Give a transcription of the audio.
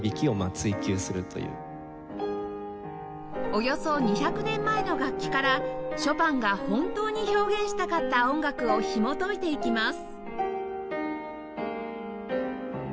およそ２００年前の楽器からショパンが本当に表現したかった音楽をひもといていきます